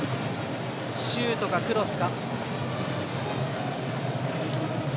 シュートかクロスか。